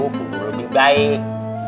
perlu lebih baik